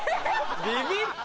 ビビった！